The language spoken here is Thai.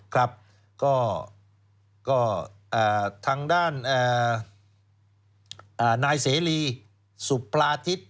ครับก็ทางด้านนายเสรีสุพราธิต